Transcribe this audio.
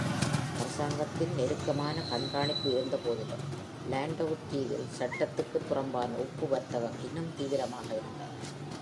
அரசாங்கத்தின் நெருக்கமான கண்காணிப்பு இருந்தபோதிலும், லாண்டவு தீவில் சட்டத்திற்கு புறம்பான உப்பு வர்த்தகம் இன்னும் தீவிரமாக இருந்தது.